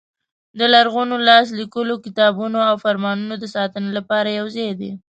د لرغونو لاس لیکلو کتابونو او فرمانونو د ساتنې لپاره یو ځای دی.